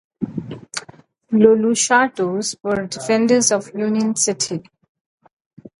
Los Luchadores were the defenders of Union City.